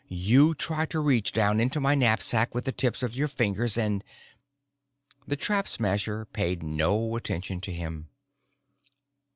You try to reach down into my knapsack with the tips of your fingers and " The Trap Smasher paid no attention to him.